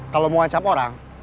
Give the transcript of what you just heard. kalau mau hancap orang